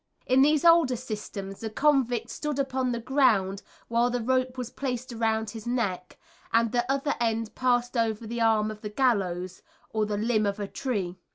In these older systems the convict stood upon the ground while the rope was placed round his neck, and the other end passed over the arm of the gallows, or the limb of a tree.